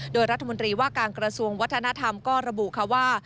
โดยรัฐมนตรีว่าการกระทรวงวัฒนธรรมก็ระบุค่ะว่า